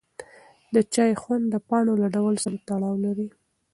د چای خوند د پاڼو له ډول سره تړاو لري.